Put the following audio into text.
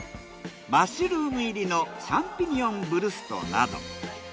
マッシュルーム入りのシャンピニオンブルストなど。